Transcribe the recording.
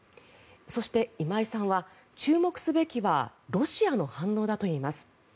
そして、今井さんは注目すべきはロシアの反応だといいます。